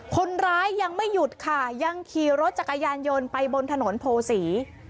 คนร้ายยังไม่หยุดค่ะยังขี่รถจักรยานยนต์ไปบนถนนโพศี